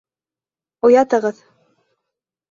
Уятығыҙ.